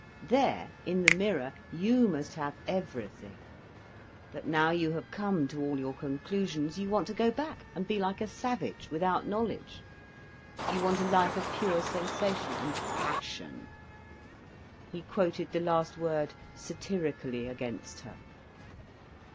There, in the mirror, you must have everything. But now you have come to all your conclusions, you want to go back and be like a savage, without knowledge. You want a life of pure sensation and 'passion.'" He quoted the last word satirically against her.